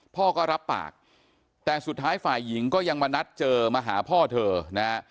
พ่อก็รับปากแต่สุดท้ายฝ่ายหญิงก็ยังมานัดเจอมาหาพ่อเธอนะฮะ